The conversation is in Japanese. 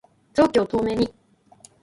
臓器を透明に